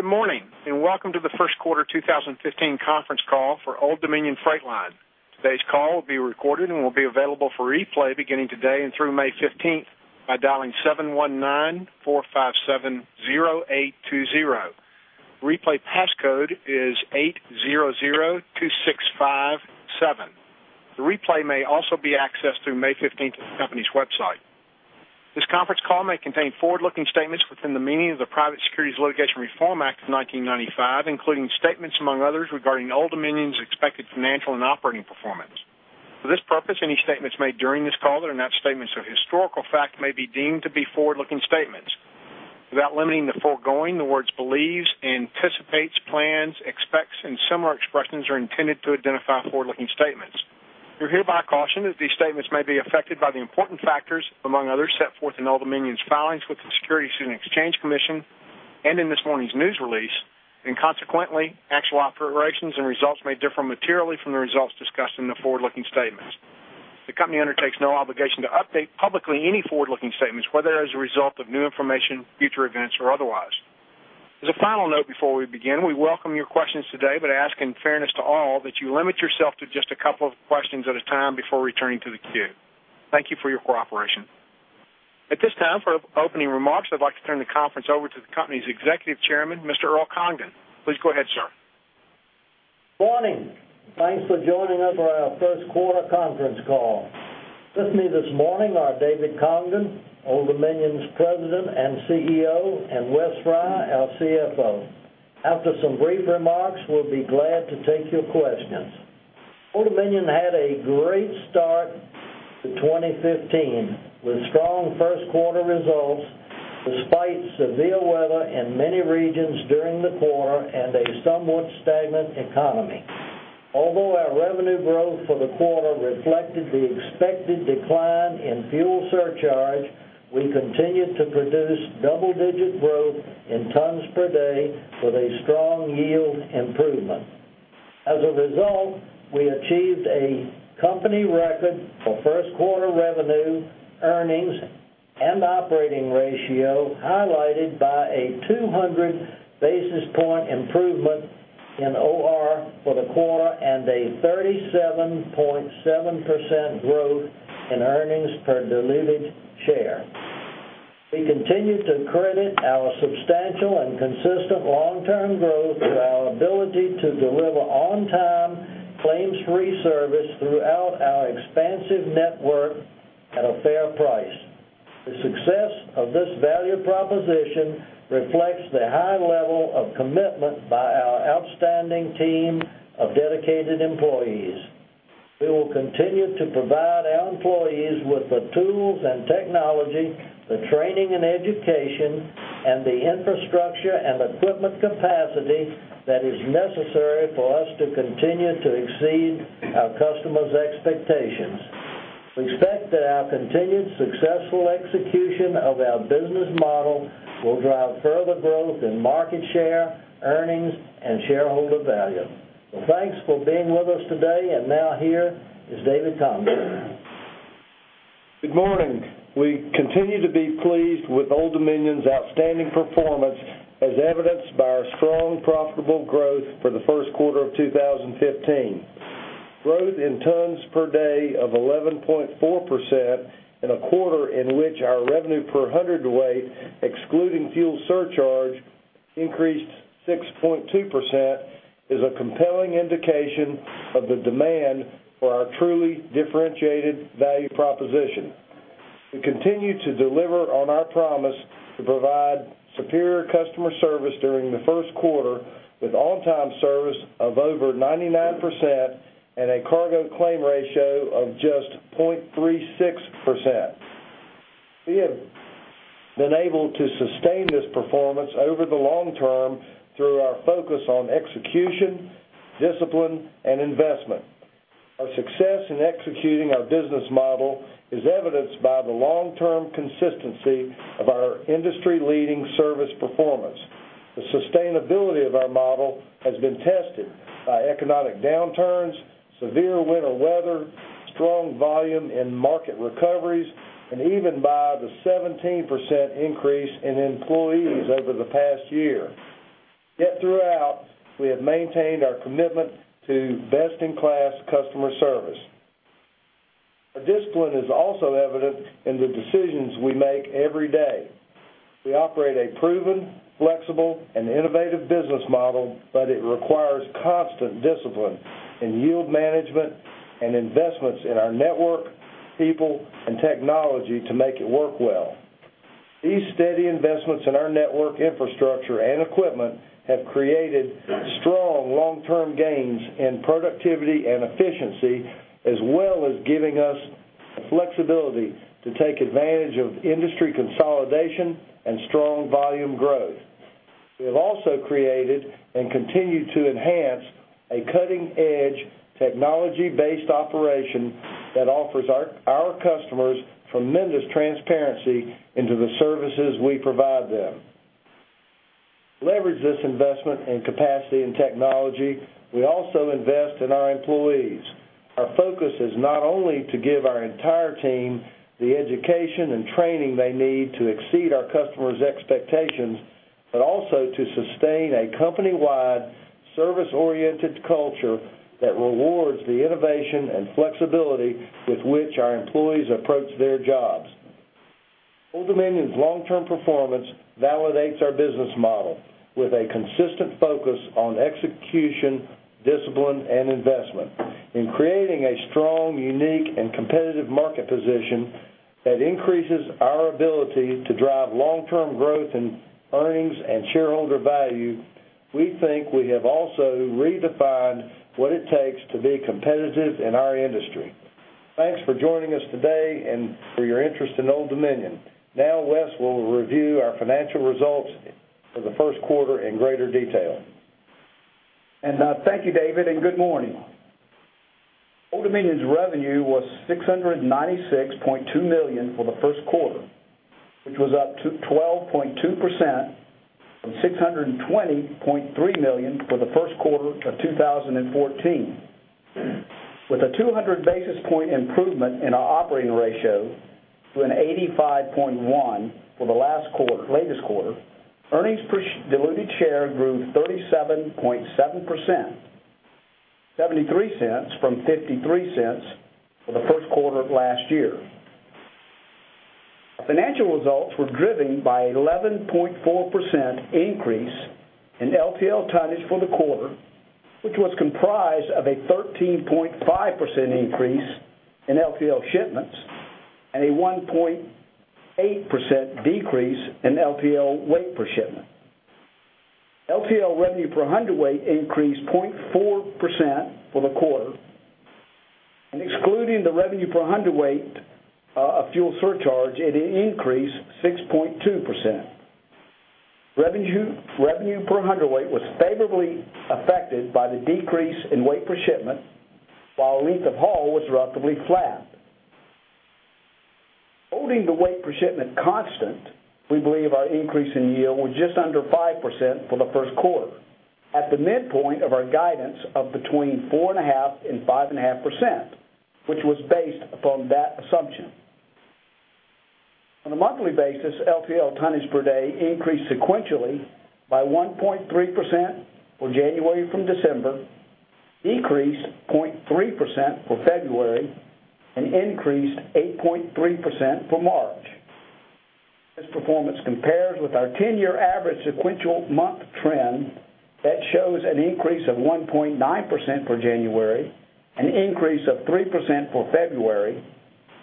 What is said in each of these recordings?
Good morning, welcome to the first quarter 2015 conference call for Old Dominion Freight Line. Today's call will be recorded and will be available for replay beginning today and through May 15th by dialing 719-457-0820. Replay passcode is 8002657. The replay may also be accessed through May 15th on the company's website. This conference call may contain forward-looking statements within the meaning of the Private Securities Litigation Reform Act of 1995, including statements among others regarding Old Dominion's expected financial and operating performance. For this purpose, any statements made during this call that are not statements of historical fact may be deemed to be forward-looking statements. Without limiting the foregoing, the words believes, anticipates, plans, expects, and similar expressions are intended to identify forward-looking statements. You're hereby cautioned that these statements may be affected by the important factors, among others set forth in Old Dominion's filings with the Securities and Exchange Commission in this morning's news release, consequently, actual operations and results may differ materially from the results discussed in the forward-looking statements. The company undertakes no obligation to update publicly any forward-looking statements, whether as a result of new information, future events, or otherwise. As a final note, before we begin, we welcome your questions today, ask in fairness to all that you limit yourself to just a couple of questions at a time before returning to the queue. Thank you for your cooperation. At this time, for opening remarks, I'd like to turn the conference over to the company's Executive Chairman, Mr. Earl Congdon. Please go ahead, sir. Morning. Thanks for joining us on our first quarter conference call. With me this morning are David Congdon, Old Dominion's President and CEO, and Wes Frye, our CFO. After some brief remarks, we'll be glad to take your questions. Old Dominion had a great start to 2015 with strong first quarter results despite severe weather in many regions during the quarter and a somewhat stagnant economy. Although our revenue growth for the quarter reflected the expected decline in fuel surcharge, we continued to produce double-digit growth in tons per day with a strong yield improvement. As a result, we achieved a company record for first-quarter revenue, earnings, and operating ratio, highlighted by a 200 basis point improvement in OR for the quarter and a 37.7% growth in earnings per diluted share. We continue to credit our substantial and consistent long-term growth to our ability to deliver on-time, claims-free service throughout our expansive network at a fair price. The success of this value proposition reflects the high level of commitment by our outstanding team of dedicated employees. We will continue to provide our employees with the tools and technology, the training and education, and the infrastructure and equipment capacity that is necessary for us to continue to exceed our customers' expectations. We expect that our continued successful execution of our business model will drive further growth in market share, earnings, and shareholder value. Well, thanks for being with us today. Now here is David Congdon. Good morning. We continue to be pleased with Old Dominion's outstanding performance, as evidenced by our strong profitable growth for the first quarter of 2015. Growth in tons per day of 11.4% in a quarter in which our revenue per hundredweight, excluding fuel surcharge, increased 6.2%, is a compelling indication of the demand for our truly differentiated value proposition. We continued to deliver on our promise to provide superior customer service during the first quarter with on-time service of over 99% and a cargo claim ratio of just 0.36%. We have been able to sustain this performance over the long term through our focus on execution, discipline, and investment. Our success in executing our business model is evidenced by the long-term consistency of our industry-leading service performance. The sustainability of our model has been tested by economic downturns, severe winter weather, strong volume and market recoveries, and even by the 17% increase in employees over the past year. Throughout, we have maintained our commitment to best-in-class customer service. Our discipline is also evident in the decisions we make every day. We operate a proven, flexible, and innovative business model, but it requires constant discipline in yield management and investments in our network, people, and technology to make it work well. These steady investments in our network infrastructure and equipment have created strong long-term gains in productivity and efficiency, as well as giving us the flexibility to take advantage of industry consolidation and strong volume growth. We have also created and continued to enhance a cutting-edge, technology-based operation that offers our customers tremendous transparency into the services we provide them. To leverage this investment in capacity and technology, we also invest in our employees. Our focus is not only to give our entire team the education and training they need to exceed our customers' expectations, but also to sustain a company-wide service-oriented culture that rewards the innovation and flexibility with which our employees approach their jobs. Old Dominion's long-term performance validates our business model with a consistent focus on execution, discipline, and investment. In creating a strong, unique, and competitive market position that increases our ability to drive long-term growth in earnings and shareholder value, we think we have also redefined what it takes to be competitive in our industry. Thanks for joining us today and for your interest in Old Dominion. Now, Wes will review our financial results for the first quarter in greater detail. Thank you, David, and good morning. Old Dominion's revenue was $696.2 million for the first quarter, which was up 12.2% from $620.3 million for the first quarter of 2014. With a 200 basis point improvement in our operating ratio to an 85.1 for the latest quarter, earnings per diluted share grew 37.7%, $0.73 from $0.53 for the first quarter of last year. Our financial results were driven by 11.4% increase in LTL tonnage for the quarter, which was comprised of a 13.5% increase in LTL shipments and a 1.8% decrease in LTL weight per shipment. LTL revenue per hundredweight increased 0.4% for the quarter. Excluding the revenue per hundredweight of fuel surcharge, it increased 6.2%. Revenue per hundredweight was favorably affected by the decrease in weight per shipment, while length of haul was roughly flat. Holding the weight per shipment constant, we believe our increase in yield was just under 5% for the first quarter, at the midpoint of our guidance of between 4.5% and 5.5%, which was based upon that assumption. On a monthly basis, LTL tonnage per day increased sequentially by 1.3% for January from December, decreased 0.3% for February, and increased 8.3% for March. This performance compares with our 10-year average sequential month trend that shows an increase of 1.9% for January, an increase of 3% for February,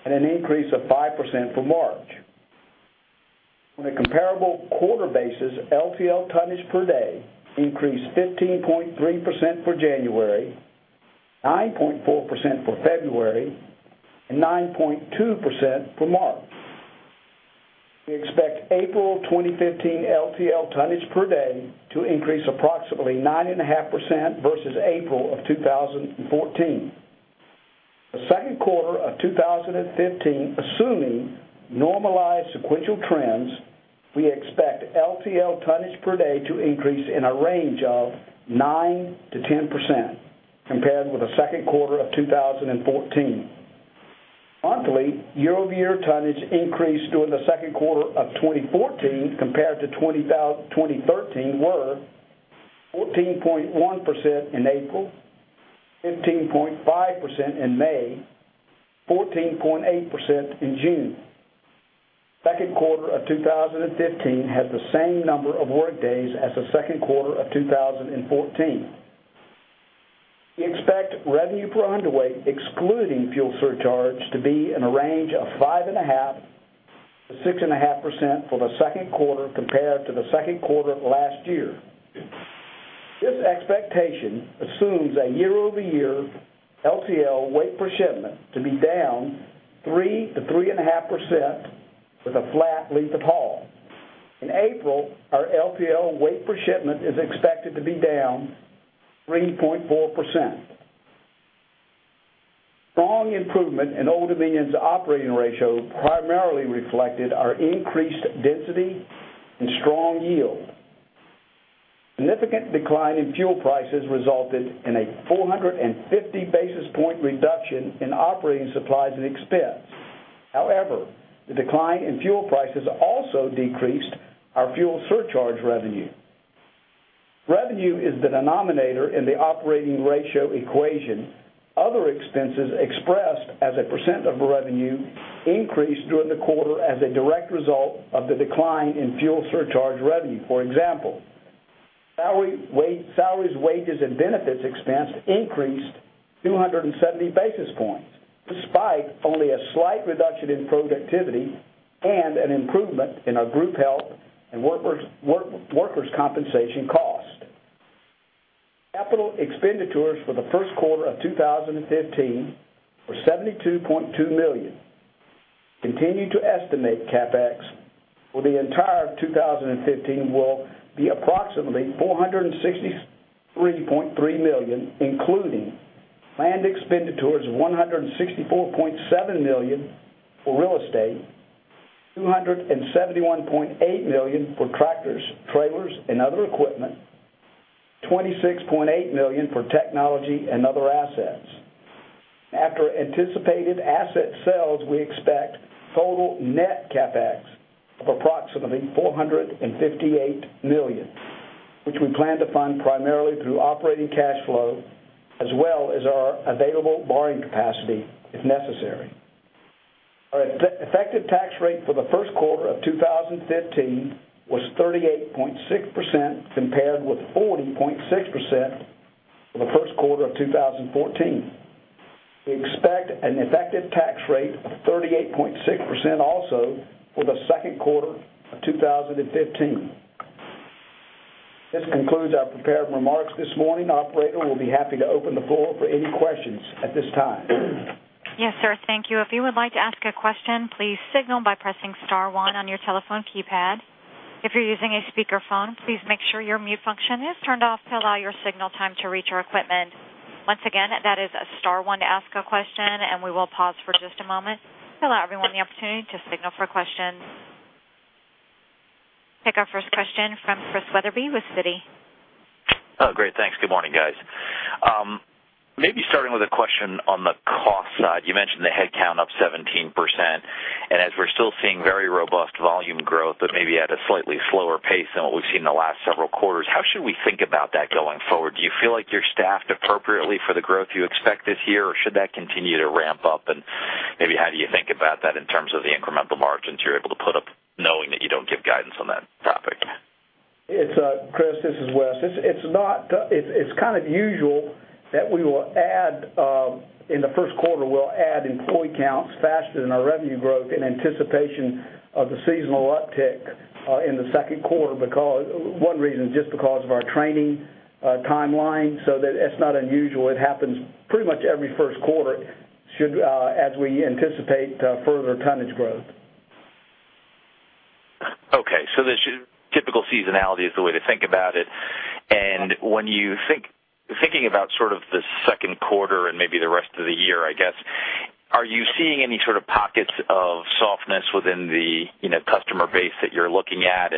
and an increase of 5% for March. On a comparable quarter basis, LTL tonnage per day increased 15.3% for January, 9.4% for February, and 9.2% for March. We expect April 2015 LTL tonnage per day to increase approximately 9.5% versus April of 2014. The second quarter of 2015, assuming normalized sequential trends, we expect LTL tonnage per day to increase in a range of 9% to 10% compared with the second quarter of 2014. Monthly, year-over-year tonnage increase during the second quarter of 2014 compared to 2013 were 14.1% in April, 15.5% in May, 14.8% in June. Second quarter of 2015 had the same number of work days as the second quarter of 2014. We expect revenue per hundredweight, excluding fuel surcharge, to be in a range of 5.5% to 6.5% for the second quarter compared to the second quarter of last year. This expectation assumes a year-over-year LTL weight per shipment to be down 3% to 3.5% with a flat length of haul. In April, our LTL weight per shipment is expected to be down 3.4%. Strong improvement in Old Dominion's operating ratio primarily reflected our increased density and strong yield. Significant decline in fuel prices resulted in a 450 basis point reduction in operating supplies and expense. The decline in fuel prices also decreased our fuel surcharge revenue. Revenue is the denominator in the operating ratio equation. Other expenses expressed as a % of revenue increased during the quarter as a direct result of the decline in fuel surcharge revenue. For example, salaries, wages, and benefits expense increased 270 basis points, despite only a slight reduction in productivity and an improvement in our group health and workers' compensation cost. Capital expenditures for the first quarter of 2015 were $72.2 million. Continue to estimate CapEx for the entire 2015 will be approximately $463.3 million, including planned expenditures of $164.7 million for real estate, $271.8 million for tractors, trailers, and other equipment, and $26.8 million for technology and other assets. After anticipated asset sales, we expect total net CapEx of approximately $458 million, which we plan to fund primarily through operating cash flow, as well as our available borrowing capacity, if necessary. Our effective tax rate for the first quarter of 2015 was 38.6%, compared with 40.6% for the first quarter of 2014. We expect an effective tax rate of 38.6% also for the second quarter of 2015. This concludes our prepared remarks this morning. Operator, we'll be happy to open the floor for any questions at this time. Yes, sir. Thank you. If you would like to ask a question, please signal by pressing star one on your telephone keypad. If you're using a speakerphone, please make sure your mute function is turned off to allow your signal time to reach our equipment. Once again, that is a star one to ask a question, and we will pause for just a moment to allow everyone the opportunity to signal for questions. Take our first question from Christian Wetherbee with Citi. Great. Thanks. Good morning, guys. Maybe starting with a question on the cost side. You mentioned the headcount up 17%, and as we're still seeing very robust volume growth, but maybe at a slightly slower pace than what we've seen in the last several quarters, how should we think about that going forward? Do you feel like you're staffed appropriately for the growth you expect this year, or should that continue to ramp up? Maybe how do you think about that in terms of the incremental margins you're able to put up, knowing that you don't give guidance on that topic? It's Chris, this is Wes. It's kind of usual that we will add, in the first quarter, we'll add employee counts faster than our revenue growth in anticipation of the seasonal uptick in the second quarter because one reason, just because of our training timeline. That it's not unusual. It happens pretty much every first quarter as we anticipate further tonnage growth. Typical seasonality is the way to think about it. When you think about the second quarter and maybe the rest of the year, I guess, are you seeing any sort of pockets of softness within the customer base that you're looking at?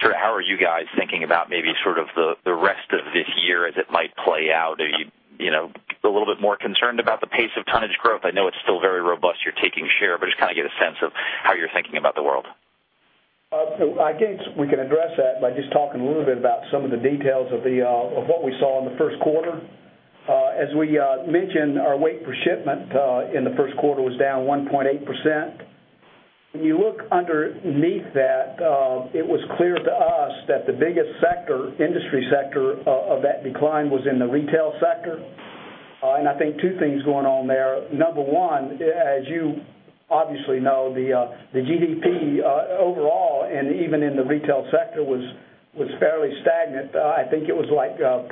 How are you guys thinking about maybe the rest of this year as it might play out? Are you a little bit more concerned about the pace of tonnage growth? I know it's still very robust. You're taking share, just kind of get a sense of how you're thinking about the world. I guess we can address that by just talking a little bit about some of the details of what we saw in the first quarter. As we mentioned, our weight per shipment in the first quarter was down 1.8%. When you look underneath that, it was clear to us that the biggest industry sector of that decline was in the retail sector. I think two things going on there. Number one, as you obviously know, the GDP overall, and even in the retail sector, was fairly stagnant. I think it was like 0.2%.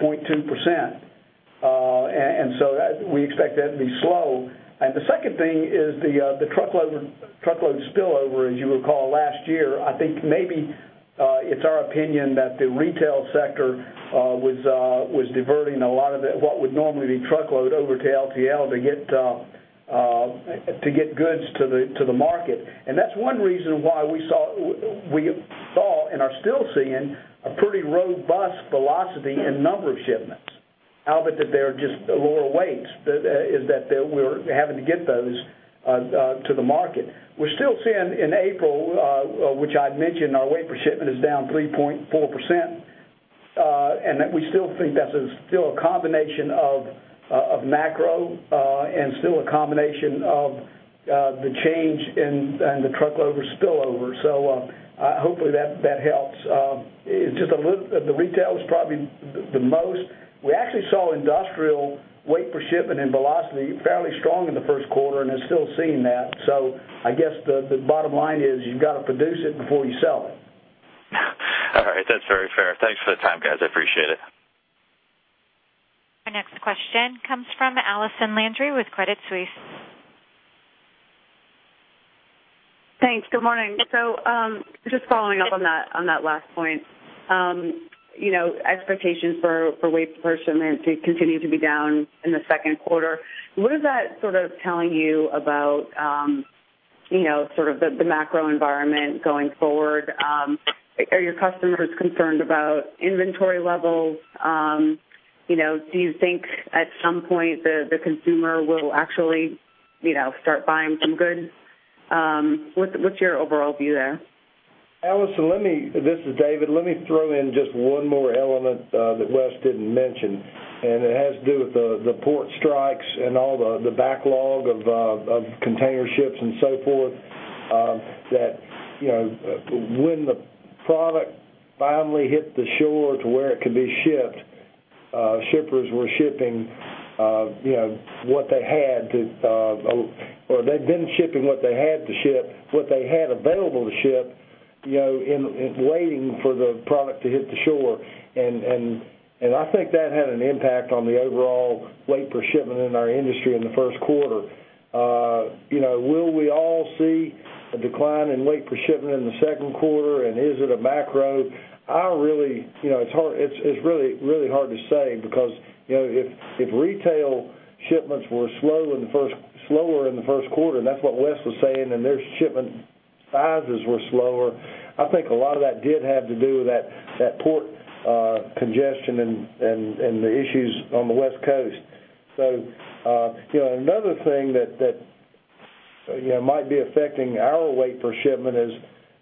We expect that to be slow. The second thing is the truckload spillover, as you recall, last year. I think maybe it's our opinion that the retail sector was diverting a lot of what would normally be truckload over to LTL to get goods to the market. That's one reason why we saw and are still seeing a pretty robust velocity in number of shipments. Other than they're just lower weights, is that we're having to get those to the market. We're still seeing in April, which I'd mentioned our weight per shipment is down 3.4%, and that we still think that's still a combination of macro, and still a combination of the change in the truckload spillover. Hopefully that helps. The retail is probably the most. We actually saw industrial weight per shipment and velocity fairly strong in the first quarter and are still seeing that. I guess the bottom line is you've got to produce it before you sell it. All right. That's very fair. Thanks for the time, guys. I appreciate it. Our next question comes from Allison Landry with Credit Suisse. Thanks. Good morning. Just following up on that last point. Expectations for weight per shipment to continue to be down in the second quarter. What is that sort of telling you about the macro environment going forward? Are your customers concerned about inventory levels? Do you think at some point the consumer will actually start buying some goods? What's your overall view there? Allison, this is David. Let me throw in just one more element that Wes didn't mention. It has to do with the port strikes and all the backlog of container ships and so forth. That when the product finally hit the shore to where it could be shipped, shippers were shipping what they had to Or they'd been shipping what they had to ship, what they had available to ship, in waiting for the product to hit the shore. I think that had an impact on the overall weight per shipment in our industry in the first quarter. Will we all see a decline in weight per shipment in the second quarter, and is it a macro? It's really hard to say because if retail shipments were slower in the first quarter, and that's what Wes was saying, and their shipment Sizes were slower. I think a lot of that did have to do with that port congestion and the issues on the West Coast. Another thing that might be affecting our weight per shipment is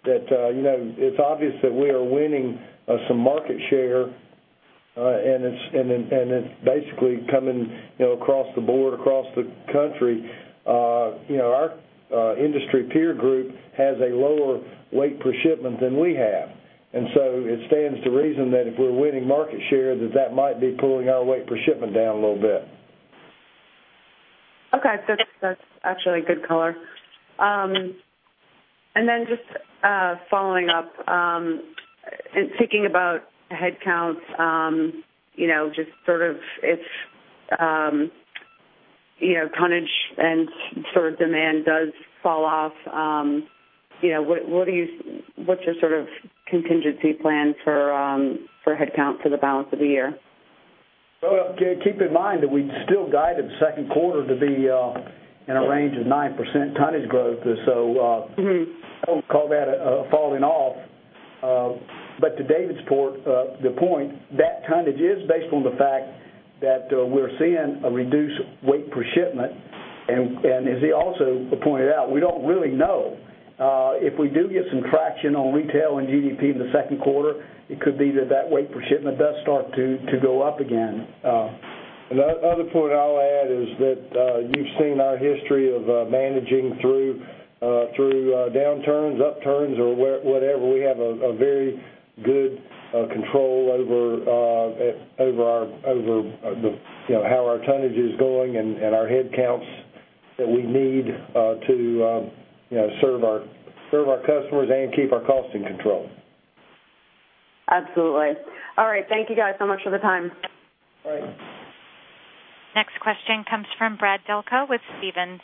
that it's obvious that we are winning some market share, and it's basically coming across the board, across the country. Our industry peer group has a lower weight per shipment than we have. It stands to reason that if we're winning market share, that that might be pulling our weight per shipment down a little bit. Okay. That's actually a good color. Just following up, and thinking about headcounts, just sort of if tonnage and demand does fall off, what's your contingency plan for headcount for the balance of the year? keep in mind that we still guided the second quarter to be in a range of 9% tonnage growth. I wouldn't call that a falling off. To David's point, that tonnage is based on the fact that we're seeing a reduced weight per shipment. As he also pointed out, we don't really know. If we do get some traction on retail and GDP in the second quarter, it could be that that weight per shipment does start to go up again. The other point I'll add is that you've seen our history of managing through downturns, upturns, or whatever. We have a very good control over how our tonnage is going and our headcounts that we need to serve our customers and keep our costs in control. Absolutely. All right. Thank you guys so much for the time. Bye. Next question comes from Brad Delco with Stephens.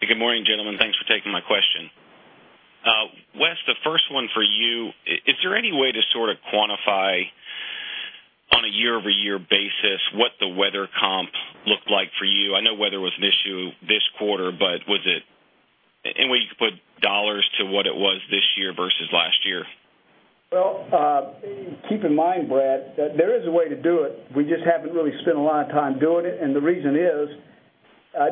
Good morning, gentlemen. Thanks for taking my question. Wes, the first one for you. Is there any way to sort of quantify on a year-over-year basis what the weather comp looked like for you? I know weather was an issue this quarter, but was it Any way you could put dollars to what it was this year versus last year? Well, keep in mind, Brad, there is a way to do it. We just haven't really spent a lot of time doing it. The reason is,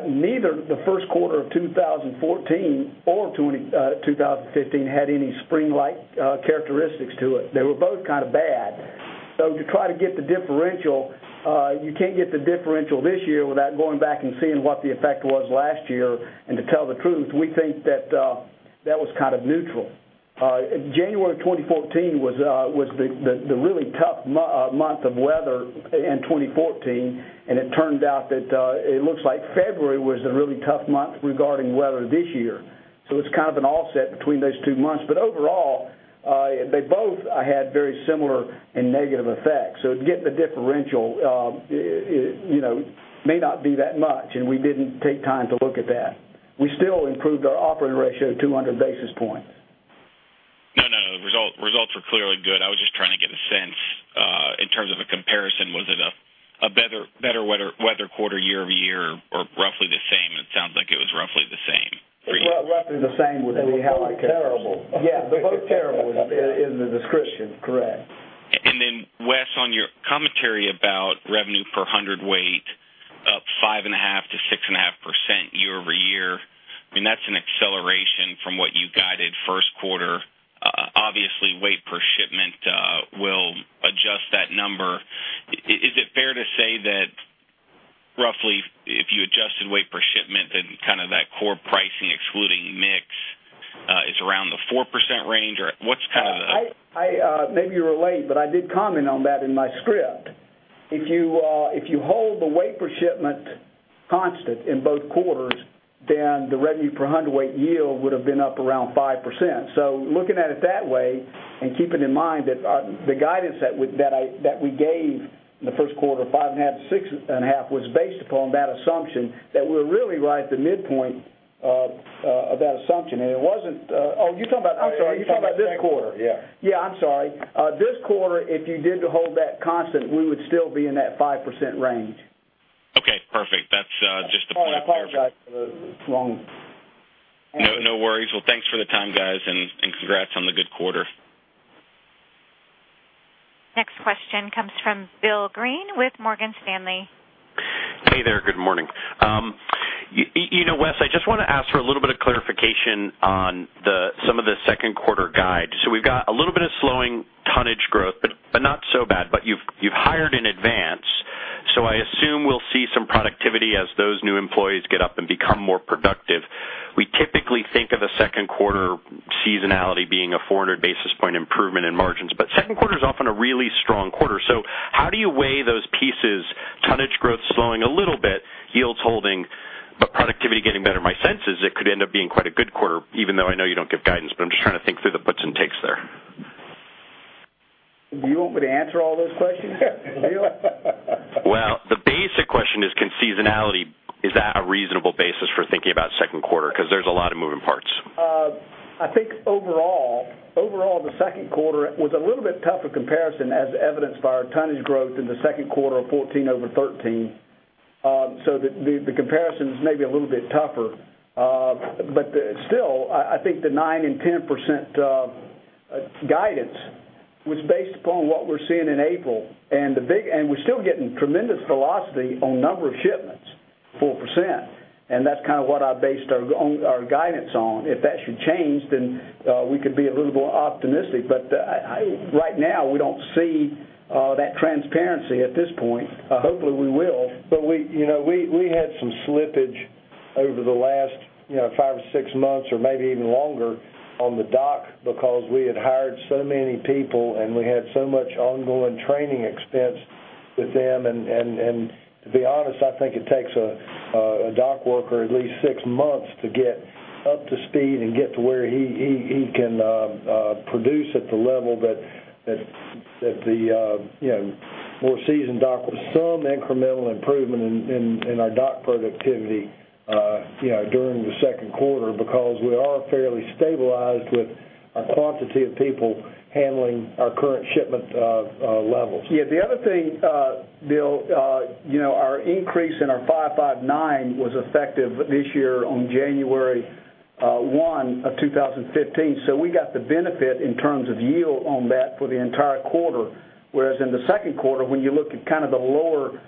neither the first quarter of 2014 or 2015 had any spring-like characteristics to it. They were both kind of bad. To try to get the differential, you can't get the differential this year without going back and seeing what the effect was last year. To tell the truth, we think that that was kind of neutral. January 2014 was the really tough month of weather in 2014. It turned out that it looks like February was a really tough month regarding weather this year. It's kind of an offset between those two months. Overall, they both had very similar and negative effects. Getting the differential may not be that much, and we didn't take time to look at that. We still improved our operating ratio 200 basis points. No, results were clearly good. I was just trying to get a sense, in terms of a comparison, was it a better weather quarter year-over-year or roughly the same? It sounds like it was roughly the same for you. It's roughly the same would be how I- They were both terrible. Yeah. They're both terrible is the description. Correct. Wes, on your commentary about revenue per hundred weight up 5.5%-6.5% year-over-year, I mean, that's an acceleration from what you guided first quarter. Obviously, weight per shipment will adjust that number. Is it fair to say that roughly if you adjusted weight per shipment, then that core pricing excluding mix is around the 4% range or what's kind of the? Maybe you were late, I did comment on that in my script. If you hold the weight per shipment constant in both quarters, then the revenue per hundred weight yield would have been up around 5%. Looking at it that way and keeping in mind that the guidance that we gave in the first quarter, 5.5%-6.5% was based upon that assumption that we're really right at the midpoint of that assumption. It wasn't. Oh, you're talking about, I'm sorry, you're talking about this quarter. Yeah. Yeah, I'm sorry. This quarter, if you did hold that constant, we would still be in that 5% range. Okay, perfect. That's just a point there. I apologize for the wrong answer. No worries. Well, thanks for the time, guys, and congrats on the good quarter. Next question comes from William Greene with Morgan Stanley. Hey there. Good morning. Wes, I just want to ask for a little bit of clarification on some of the second quarter guide. We've got a little bit of slowing tonnage growth but not so bad. You've hired in advance, so I assume we'll see some productivity as those new employees get up and become more productive. We typically think of a second quarter seasonality being a 400 basis point improvement in margins. Second quarter is often a really strong quarter. How do you weigh those pieces, tonnage growth slowing a little bit, yields holding, but productivity getting better? My sense is it could end up being quite a good quarter, even though I know you don't give guidance, I'm just trying to think through the puts and takes there. Do you want me to answer all those questions, William? Well, the basic question is, can seasonality, is that a reasonable basis for thinking about second quarter? Because there's a lot of moving parts. Overall, the second quarter was a little bit tougher comparison as evidenced by our tonnage growth in the second quarter of 2014 over 2013. The comparison is maybe a little bit tougher. Still, I think the 9% and 10% guidance was based upon what we're seeing in April, and we're still getting tremendous velocity on number of shipments, 4%. That's what I based our guidance on. If that should change, then we could be a little more optimistic. Right now, we don't see that transparency at this point. Hopefully, we will. We had some slippage over the last five or six months or maybe even longer on the dock because we had hired so many people, and we had so much ongoing training expense with them. To be honest, I think it takes a dock worker at least six months to get up to speed and get to where he can produce at the level that the more seasoned dock. Some incremental improvement in our dock productivity during the second quarter because we are fairly stabilized with our quantity of people handling our current shipment levels. Yeah. The other thing, Bill, our increase in our ODFL 559 was effective this year on January 1st, 2015. We got the benefit in terms of yield on that for the entire quarter, whereas in the second quarter, when you look at the lower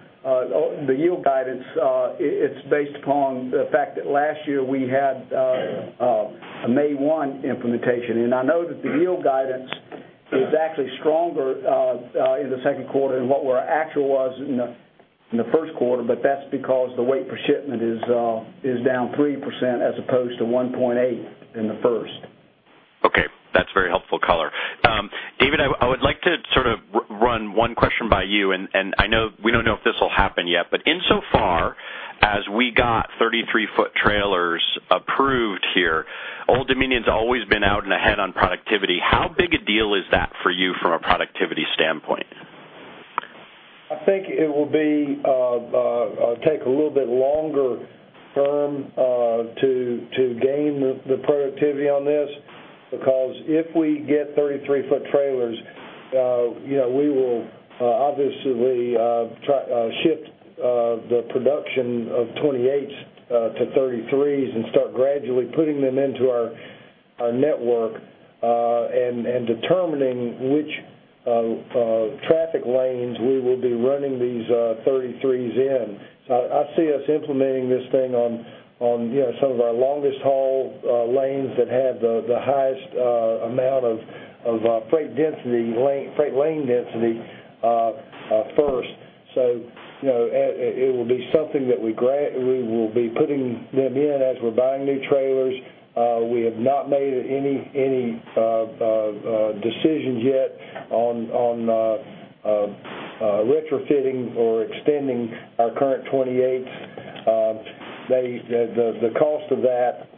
yield guidance, it's based upon the fact that last year we had a May 1st implementation. I know that the yield guidance is actually stronger in the second quarter than what our actual was in the first quarter, but that's because the weight per shipment is down 3% as opposed to 1.8% in the first. Okay. That's a very helpful color. David, I would like to run one question by you. I know we don't know if this will happen yet, but insofar as we got 33-foot trailers approved here, Old Dominion's always been out and ahead on productivity. How big a deal is that for you from a productivity standpoint? I think it will take a little bit longer term to gain the productivity on this because if we get 33-foot trailers, we will obviously shift the production of 28 to 33s and start gradually putting them into our network and determining which traffic lanes we will be running these 33s in. I see us implementing this thing on some of our longest haul lanes that have the highest amount of freight lane density first. It will be something that we will be putting them in as we're buying new trailers. We have not made any decisions yet on retrofitting or extending our current 28s. The cost of that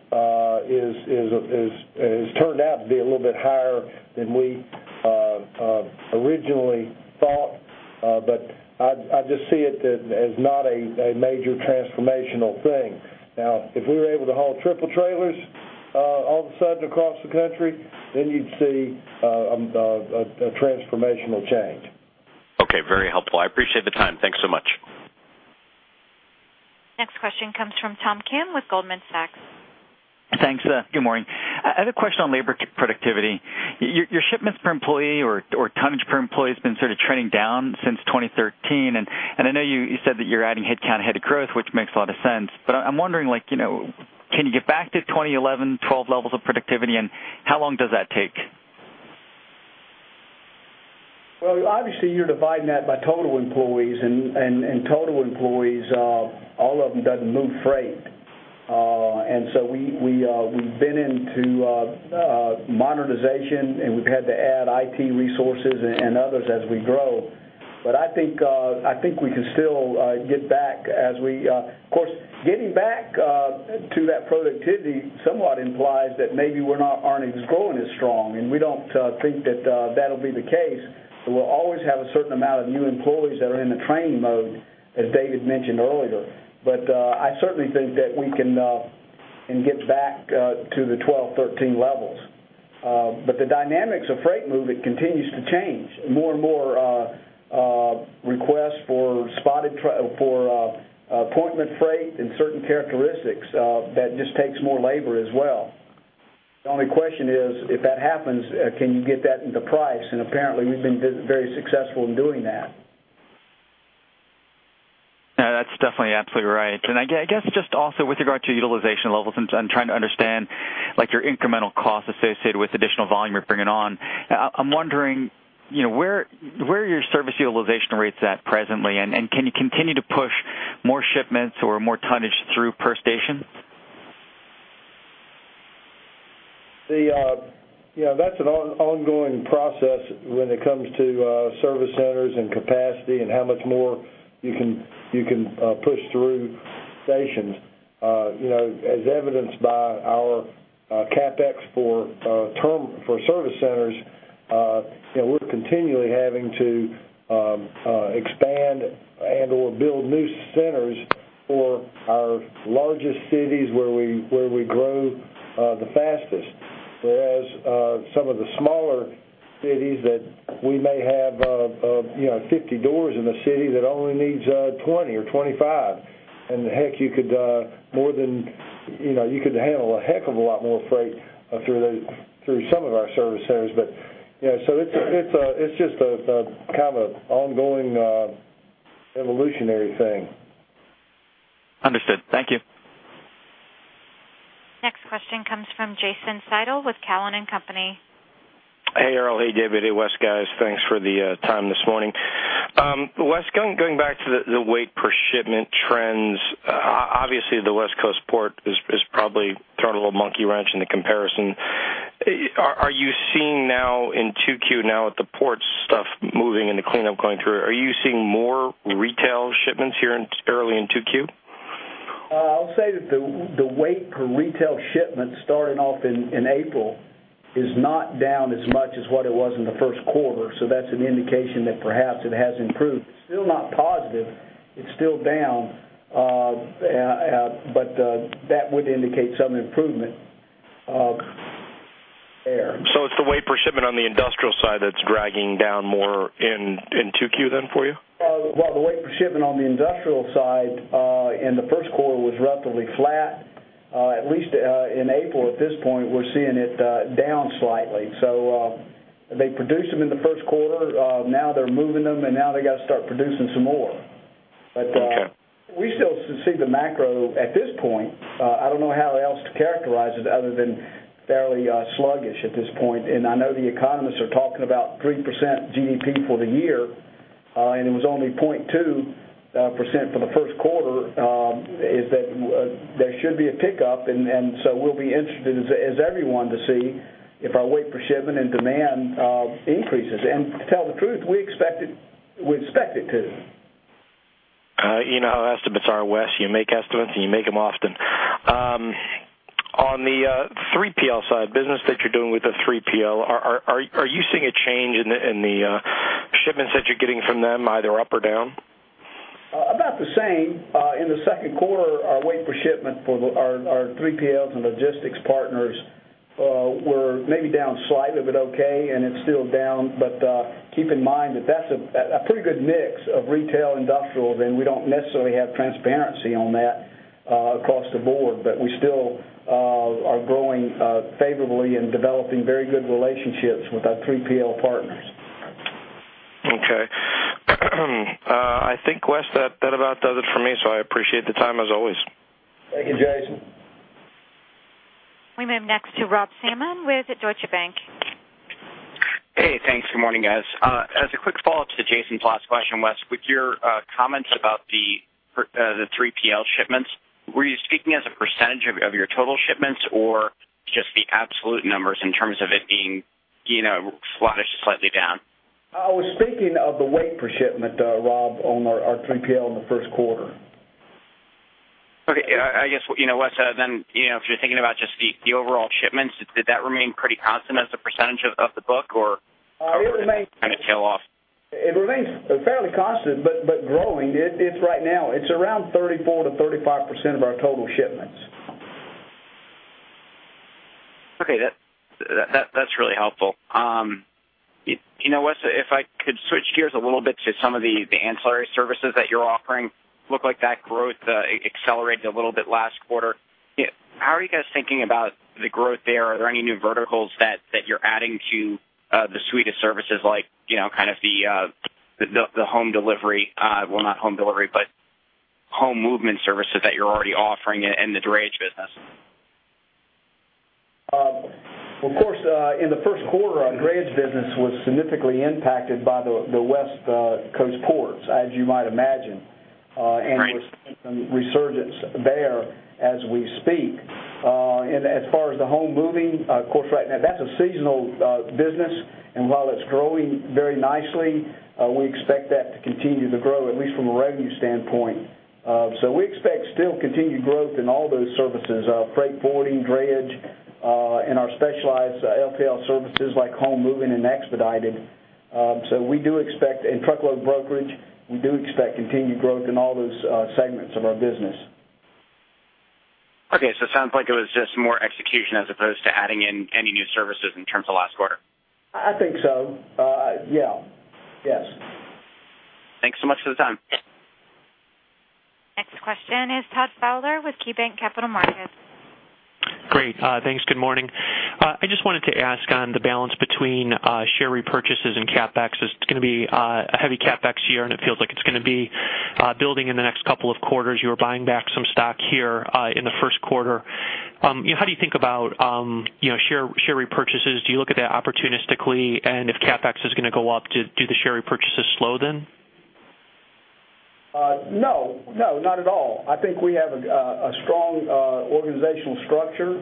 has turned out to be a little bit higher than we originally thought. I just see it as not a major transformational thing. Now, if we were able to haul triple trailers all of a sudden across the country, you'd see a transformational change. Okay. Very helpful. I appreciate the time. Thanks so much. Next question comes from Tom Kim with Goldman Sachs. Thanks. Good morning. I had a question on labor productivity. Your shipments per employee or tonnage per employee has been sort of trending down since 2013. I know you said that you're adding headcount, head of growth, which makes a lot of sense. I'm wondering can you get back to 2011, '12 levels of productivity, and how long does that take? Well, obviously you're dividing that by total employees. Total employees, all of them doesn't move freight. We've been into modernization, and we've had to add IT resources and others as we grow. I think we can still get back. Of course, getting back to that productivity somewhat implies that maybe we aren't even growing as strong. We don't think that that'll be the case. We'll always have a certain amount of new employees that are in the training mode, as David mentioned earlier. I certainly think that we can get back to the '12, '13 levels. The dynamics of freight movement continues to change. More and more requests for appointment freight and certain characteristics that just takes more labor as well. The only question is, if that happens, can you get that into price? Apparently, we've been very successful in doing that. That's definitely absolutely right. I guess just also with regard to utilization levels, I'm trying to understand your incremental costs associated with additional volume you're bringing on. I'm wondering, where are your service utilization rates at presently, and can you continue to push more shipments or more tonnage through per station? That's an ongoing process when it comes to service centers and capacity and how much more you can push through stations. As evidenced by our CapEx for service centers. We're continually having to expand and/or build new centers for our largest cities where we grow the fastest. Whereas some of the smaller cities that we may have 50 doors in the city that only needs 20 or 25. Heck, you could handle a heck of a lot more freight through some of our service centers. It's just a kind of ongoing evolutionary thing. Understood. Thank you. Next question comes from Jason Seidl with Cowen and Company. Hey, Earl. Hey, David. Hey, Wes, guys. Thanks for the time this morning. Wes, going back to the weight per shipment trends, obviously, the West Coast port is probably throwing a little monkey wrench in the comparison. Are you seeing now in 2Q now with the port stuff moving and the cleanup going through, are you seeing more retail shipments here early in 2Q? I'll say that the weight per retail shipment starting off in April is not down as much as what it was in the first quarter, so that's an indication that perhaps it has improved. Still not positive. It's still down. That would indicate some improvement there. It's the weight per shipment on the industrial side that's dragging down more in 2Q then for you? Well, the weight per shipment on the industrial side in the first quarter was roughly flat. At least in April, at this point, we're seeing it down slightly. They produced them in the first quarter, now they're moving them, and now they got to start producing some more. Okay. We still see the macro at this point. I don't know how else to characterize it other than fairly sluggish at this point. I know the economists are talking about 3% GDP for the year, and it was only 0.2% for the first quarter, is that there should be a pickup, we'll be interested, as everyone, to see if our weight per shipment and demand increases. To tell the truth, we expect it to. You know how estimates are, Wes. You make estimates, and you make them often. On the 3PL side, business that you're doing with the 3PL, are you seeing a change in the shipments that you're getting from them, either up or down? About the same. In the second quarter, our weight per shipment for our 3PLs and logistics partners were maybe down slightly, but okay, and it's still down. Keep in mind that that's a pretty good mix of retail industrial, and we don't necessarily have transparency on that across the board. We still are growing favorably and developing very good relationships with our 3PL partners. Okay. I think, Wes, that about does it for me. I appreciate the time, as always. Thank you, Jason. We move next to Rob Salmon with Deutsche Bank. Hey, thanks. Good morning, guys. As a quick follow-up to Jason's last question, Wes, with your comments about the 3PL shipments, were you speaking as a % of your total shipments or just the absolute numbers in terms of it being slightly down? I was speaking of the weight per shipment, Rob, on our 3PL in the first quarter. Okay. I guess, Wes, then if you're thinking about just the overall shipments, did that remain pretty constant as a % of the book, or? It remains. -kind of tail off? It remains fairly constant but growing. Right now, it's around 34%-35% of our total shipments. Okay. That's really helpful. Wes, if I could switch gears a little bit to some of the ancillary services that you're offering. Looked like that growth accelerated a little bit last quarter. How are you guys thinking about the growth there? Are there any new verticals that you're adding to the suite of services, like the home delivery, well, not home delivery, but home movement services that you're already offering in the drayage business? Of course, in the first quarter, our drayage business was significantly impacted by the West Coast ports, as you might imagine. Right. We're seeing some resurgence there as we speak. As far as the home moving, of course, right now, that's a seasonal business. While it's growing very nicely, we expect that to continue to grow, at least from a revenue standpoint. We expect still continued growth in all those services, freight forwarding, drayage, and our specialized LTL services like home moving and expedited, and truckload brokerage. We do expect continued growth in all those segments of our business. Okay. It sounds like it was just more execution as opposed to adding in any new services in terms of last quarter. I think so. Yeah. Yes. Thanks so much for the time. Next question is Todd Fowler with KeyBanc Capital Markets. Great. Thanks. Good morning. I just wanted to ask on the balance between share repurchases and CapEx. It's going to be a heavy CapEx year, and it feels like it's going to be building in the next couple of quarters. You were buying back some stock here in the first quarter. How do you think about share repurchases? Do you look at that opportunistically? If CapEx is going to go up, do the share repurchases slow then? No, not at all. I think we have a strong organizational structure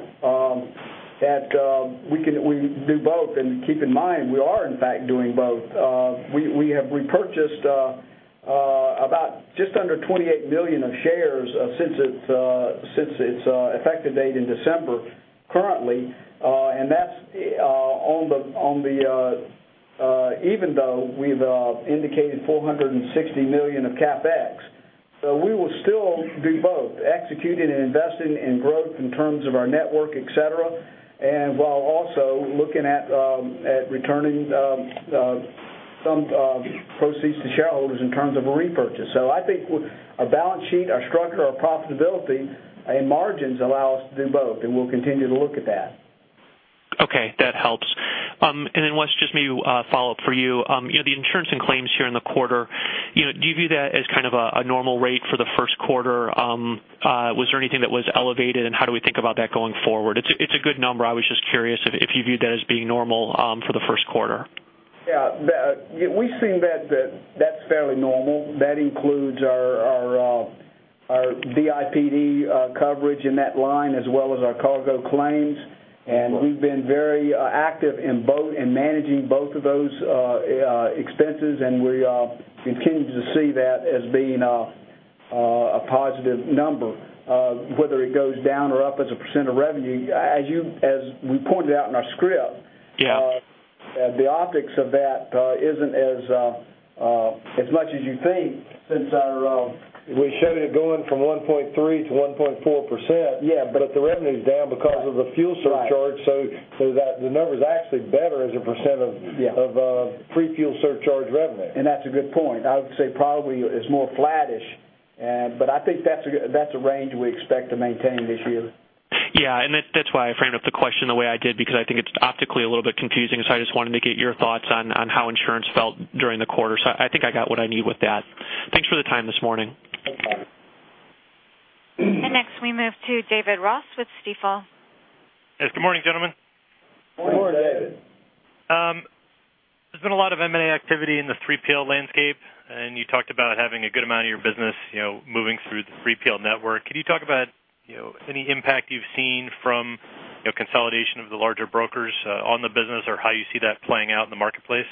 that we can do both. Keep in mind, we are in fact doing both. We have repurchased just under $28 million of shares since its effective date in December currently, and that's even though we've indicated $460 million of CapEx. We will still do both, executing and investing in growth in terms of our network, et cetera, and while also looking at returning some proceeds to shareholders in terms of a repurchase. I think our balance sheet, our structure, our profitability, and margins allow us to do both, and we'll continue to look at that. Okay. That helps. Then Wes, just maybe a follow-up for you. The insurance and claims here in the quarter, do you view that as a normal rate for the first quarter? Was there anything that was elevated, and how do we think about that going forward? It's a good number. I was just curious if you viewed that as being normal for the first quarter. Yeah. We've seen that that's fairly normal. That includes our BI/PD coverage in that line as well as our cargo claims. We've been very active in managing both of those expenses, we continue to see that as being a positive number. Whether it goes down or up as a percent of revenue, as we pointed out in our script. Yeah The optics of that isn't as much as you think since our. We showed it going from 1.3% to 1.4%. Yeah. The revenue's down because of the fuel surcharge. Right The number's actually better as a % of. Yeah pre-fuel surcharge revenue. That's a good point. I would say probably it's more flattish, but I think that's a range we expect to maintain this year. Yeah, that's why I framed up the question the way I did because I think it's optically a little bit confusing. I just wanted to get your thoughts on how insurance felt during the quarter. I think I got what I need with that. Thanks for the time this morning. Okay. Next we move to David Ross with Stifel. Yes. Good morning, gentlemen. Morning, David. Morning. There's been a lot of M&A activity in the 3PL landscape, and you talked about having a good amount of your business moving through the 3PL network. Could you talk about any impact you've seen from consolidation of the larger brokers on the business or how you see that playing out in the marketplace?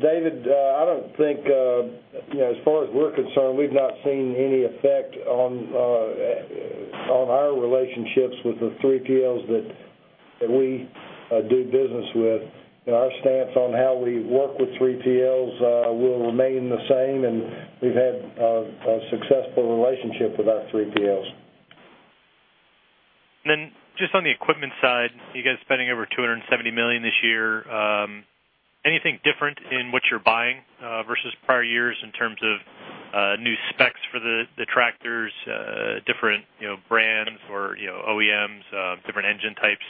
David, I don't think, as far as we're concerned, we've not seen any effect on our relationships with the 3PLs that we do business with. Our stance on how we work with 3PLs will remain the same, and we've had a successful relationship with our 3PLs. Just on the equipment side, you guys spending over $270 million this year. Anything different in what you're buying versus prior years in terms of new specs for the tractors, different brands or OEMs, different engine types?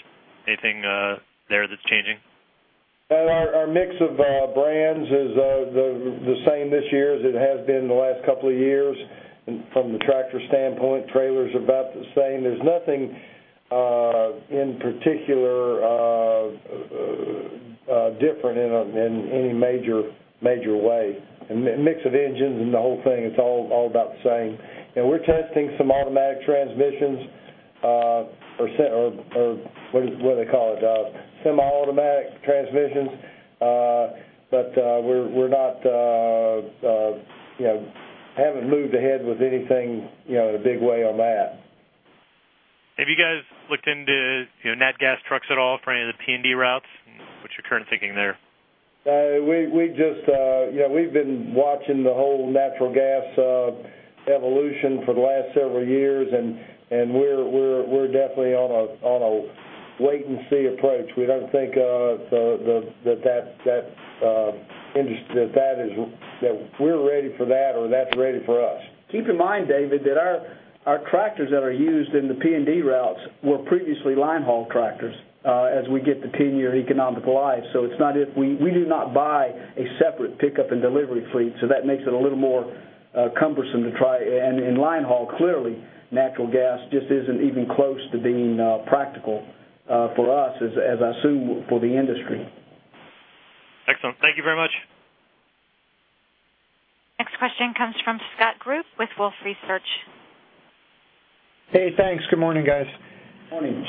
Anything there that's changing? Our mix of brands is the same this year as it has been the last couple of years from the tractor standpoint. Trailer's about the same. There's nothing in particular different in any major way. Mix of engines and the whole thing, it's all about the same. We're testing some automatic transmissions, or what do they call it? Semi-automatic transmissions. We haven't moved ahead with anything in a big way on that. Have you guys looked into natural gas trucks at all for any of the P&D routes? What's your current thinking there? We've been watching the whole natural gas evolution for the last several years, and we're definitely on a wait and see approach. We don't think that we're ready for that or that's ready for us. Keep in mind, David, that our tractors that are used in the P&D routes were previously line haul tractors as we get the 10-year economic life. We do not buy a separate pickup and delivery fleet, so that makes it a little more cumbersome to try. In line haul, clearly, natural gas just isn't even close to being practical for us, as I assume for the industry. Excellent. Thank you very much. Next question comes from Scott Group with Wolfe Research. Hey, thanks. Good morning, guys. Morning.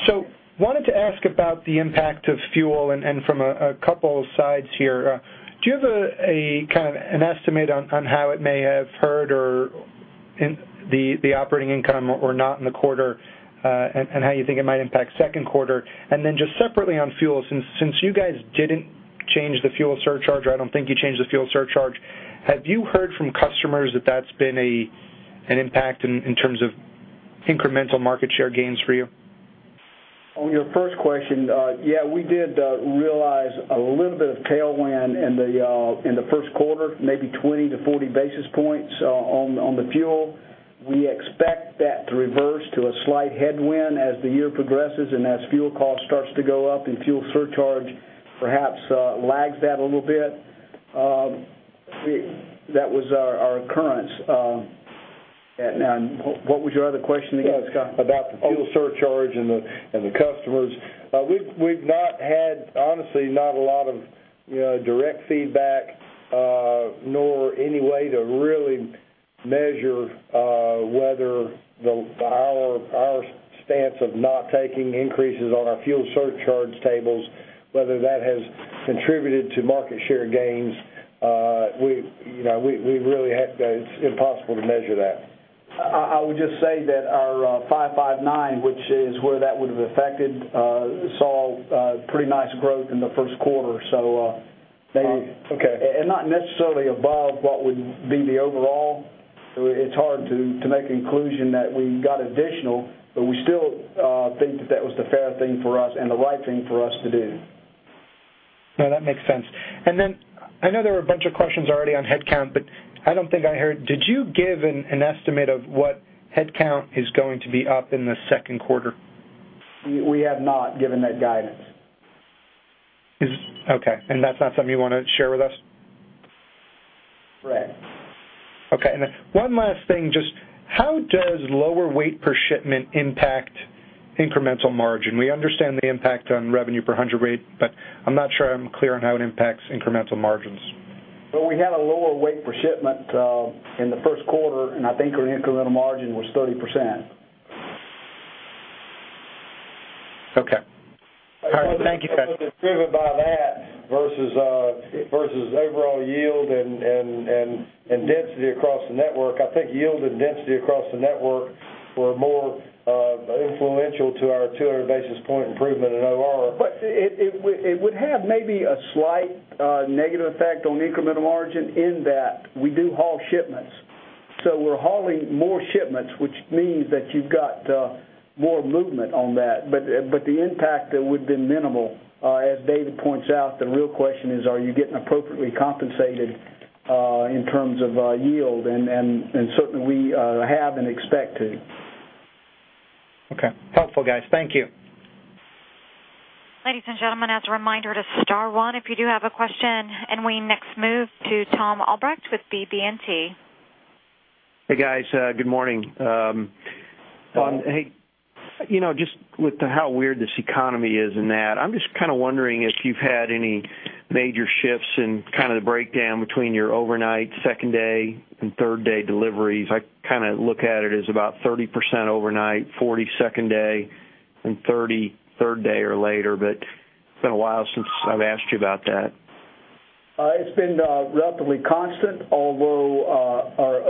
Morning. Wanted to ask about the impact of fuel and from a couple sides here. Do you have an estimate on how it may have hurt or the operating income or not in the quarter? How you think it might impact second quarter? Just separately on fuel, since you guys didn't change the fuel surcharge, or I don't think you changed the fuel surcharge, have you heard from customers that that's been an impact in terms of incremental market share gains for you? On your first question, yeah, we did realize a little bit of tailwind in the first quarter, maybe 20-40 basis points on the fuel. We expect that to reverse to a slight headwind as the year progresses and as fuel cost starts to go up and fuel surcharge perhaps lags that a little bit. That was our occurrence. What was your other question again, Scott? About the fuel surcharge and the customers. We've honestly not a lot of direct feedback nor any way to measure whether our stance of not taking increases on our fuel surcharge tables, whether that has contributed to market share gains. It's impossible to measure that. I would just say that our 559, which is where that would've affected, saw pretty nice growth in the first quarter. Okay Not necessarily above what would be the overall. It's hard to make a conclusion that we got additional. We still think that that was the fair thing for us and the right thing for us to do. That makes sense. I know there were a bunch of questions already on headcount. I don't think I heard. Did you give an estimate of what headcount is going to be up in the second quarter? We have not given that guidance. Okay. That's not something you want to share with us? Right. Okay. Then one last thing, just how does lower weight per shipment impact incremental margin? We understand the impact on revenue per hundred weight, but I'm not sure I'm clear on how it impacts incremental margins. Well, we had a lower weight per shipment in the first quarter, and I think our incremental margin was 30%. Okay. All right. Thank you, guys. Driven by that versus overall yield and density across the network. I think yield and density across the network were more influential to our 200 basis point improvement in OR. It would have maybe a slight negative effect on incremental margin in that we do haul shipments. We're hauling more shipments, which means that you've got more movement on that. The impact would be minimal. As David points out, the real question is, are you getting appropriately compensated in terms of yield? Certainly, we have and expect to. Okay. Helpful, guys. Thank you. Ladies and gentlemen, as a reminder to star one if you do have a question. We next move to Thom Albrecht with BB&T. Hey, guys. Good morning. Hey, just with how weird this economy is and that, I'm just kind of wondering if you've had any major shifts in the breakdown between your overnight, second day, and third day deliveries. I look at it as about 30% overnight, 40% second day, and 30% third day or later. It's been a while since I've asked you about that. It's been relatively constant, although our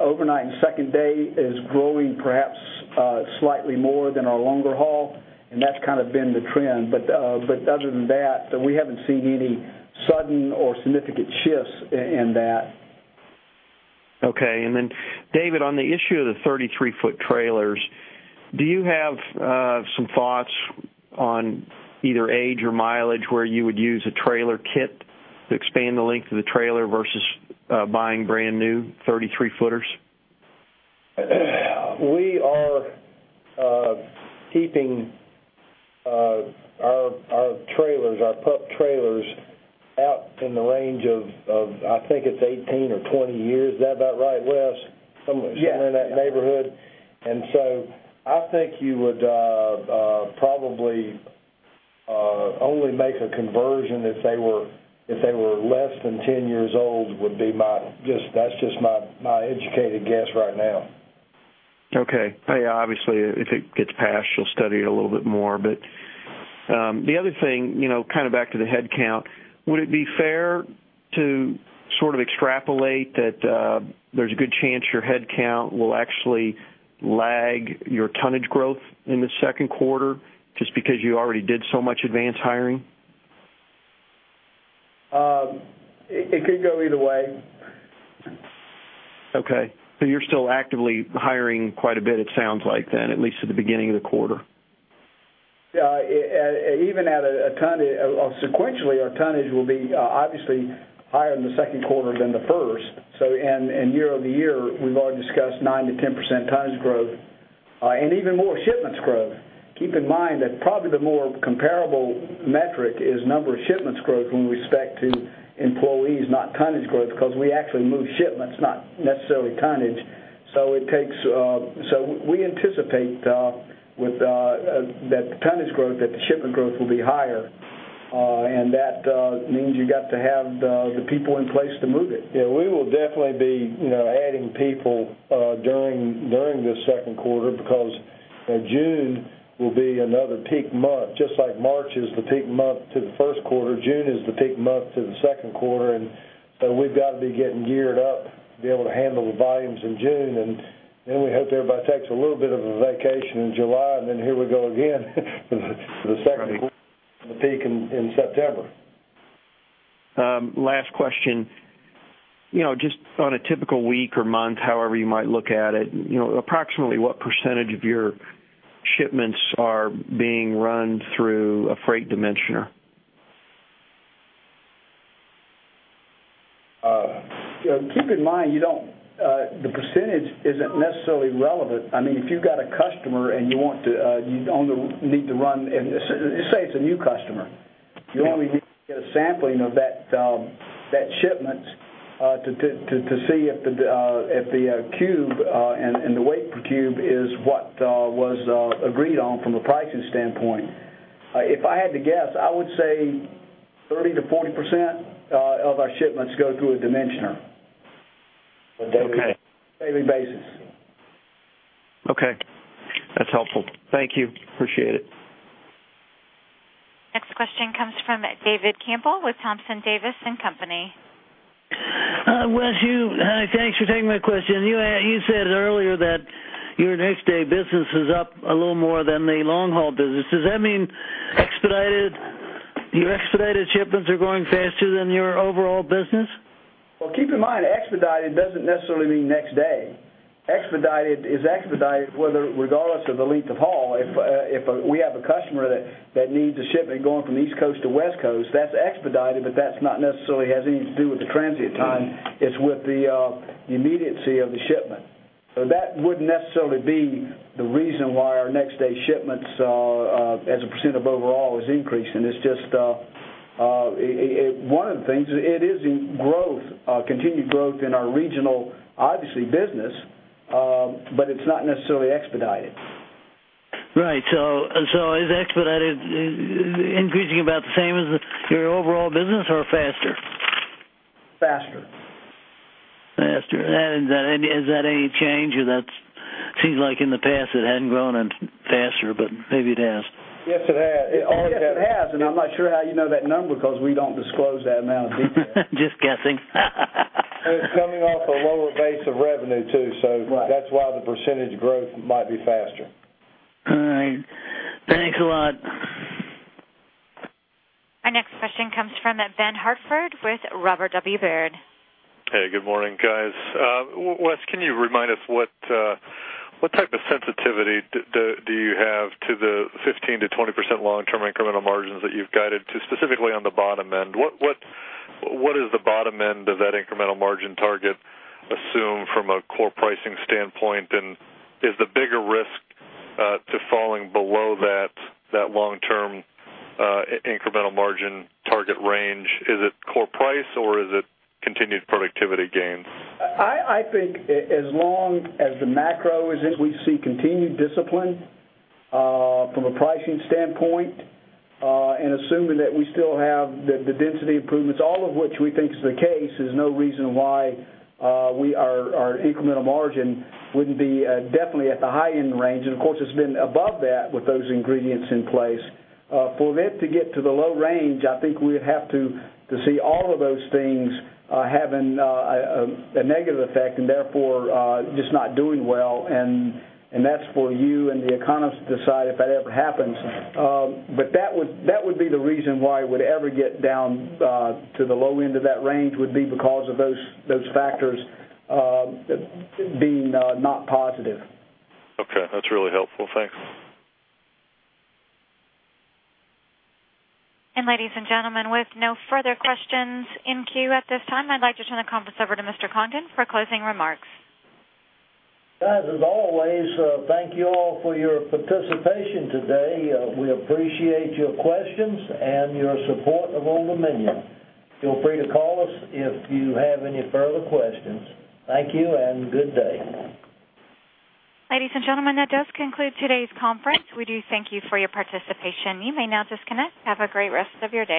overnight and second day is growing perhaps slightly more than our longer haul, and that's kind of been the trend. Other than that, we haven't seen any sudden or significant shifts in that. Okay, David, on the issue of the 33-foot trailers, do you have some thoughts on either age or mileage where you would use a trailer kit to expand the length of the trailer versus buying brand new 33-footers? We are keeping our pup trailers out in the range of, I think it's 18 or 20 years. Is that about right, Wes? Yeah. Somewhere in that neighborhood. I think you would probably only make a conversion if they were less than 10 years old. That's just my educated guess right now. Okay. Obviously, if it gets past, you'll study it a little bit more. The other thing, back to the headcount, would it be fair to sort of extrapolate that there's a good chance your headcount will actually lag your tonnage growth in the second quarter just because you already did so much advance hiring? It could go either way. Okay. you're still actively hiring quite a bit it sounds like then, at least at the beginning of the quarter. Sequentially, our tonnage will be obviously higher in the second quarter than the first. year-over-year, we've already discussed 9%-10% tonnage growth and even more shipments growth. Keep in mind that probably the more comparable metric is number of shipments growth when we spec to employees, not tonnage growth, because we actually move shipments, not necessarily tonnage. we anticipate with that tonnage growth, that the shipment growth will be higher. that means you got to have the people in place to move it. Yeah, we will definitely be adding people during the second quarter because June will be another peak month. Just like March is the peak month to the first quarter, June is the peak month to the second quarter. we've got to be getting geared up to be able to handle the volumes in June. we hope everybody takes a little bit of a vacation in July, and then here we go again for the second quarter, the peak in September. Last question. Just on a typical week or month, however you might look at it, approximately what percentage of your shipments are being run through a freight dimensioner? Keep in mind, the percentage isn't necessarily relevant. If you've got a customer and you only need to run Say it's a new customer. You only need to get a sampling of that shipment to see if the cube and the weight per cube is what was agreed on from a pricing standpoint. If I had to guess, I would say 30%-40% of our shipments go through a dimensioner. Okay. Daily basis. Okay. That's helpful. Thank you. Appreciate it. Next question comes from David Campbell with Thompson, Davis & Company. Wes, hi. Thanks for taking my question. You said earlier that your next day business is up a little more than the long haul business. Does that mean your expedited shipments are growing faster than your overall business? Keep in mind, expedited doesn't necessarily mean next day. Expedited is expedited regardless of the length of haul. If we have a customer that needs a shipment going from East Coast to West Coast, that's expedited, but that's not necessarily has anything to do with the transit time. It's with the immediacy of the shipment. That wouldn't necessarily be the reason why our next day shipments, as a % of overall, is increasing. It's just one of the things. It is continued growth in our regional, obviously, business. It's not necessarily expedited. Right. Is expedited increasing about the same as your overall business, or faster? Faster. Faster. Has that any change, that seems like in the past it hadn't grown any faster, but maybe it has. Yes, it has. Yes, it has, I'm not sure how you know that number because we don't disclose that amount of detail. Just guessing. It's coming off a lower base of revenue, too. Right That's why the percentage growth might be faster. All right. Thanks a lot. Our next question comes from Ben Hartford with Robert W. Baird. Hey, good morning, guys. Wes, can you remind us what type of sensitivity do you have to the 15%-20% long-term incremental margins that you've guided to, specifically on the bottom end? What does the bottom end of that incremental margin target assume from a core pricing standpoint, and is the bigger risk to falling below that long-term incremental margin target range, is it core price, or is it continued productivity gains? I think as long as the macro is, as we see continued discipline from a pricing standpoint, and assuming that we still have the density improvements, all of which we think is the case, there's no reason why our incremental margin wouldn't be definitely at the high-end range. Of course, it's been above that with those ingredients in place. For it to get to the low range, I think we would have to see all of those things having a negative effect and therefore just not doing well. That's for you and the economists to decide if that ever happens. That would be the reason why it would ever get down to the low end of that range, would be because of those factors being not positive. Okay. That's really helpful. Thanks. Ladies and gentlemen, with no further questions in queue at this time, I'd like to turn the conference over to Mr. Congdon for closing remarks. Guys, as always, thank you all for your participation today. We appreciate your questions and your support of Old Dominion. Feel free to call us if you have any further questions. Thank you and good day. Ladies and gentlemen, that does conclude today's conference. We do thank you for your participation. You may now disconnect. Have a great rest of your day.